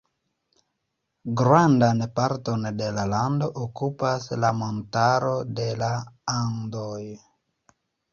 Grandan parton de la lando okupas la montaro de la Andoj.